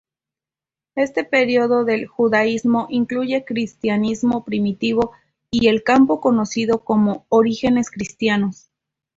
Este periodo del Judaísmo incluye cristianismo primitivo y el campo conocido como "Orígenes cristianos.